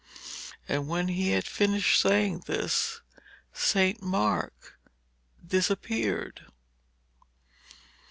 And when he had finished saying this, St. Mark disappeared.